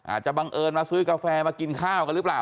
บังเอิญมาซื้อกาแฟมากินข้าวกันหรือเปล่า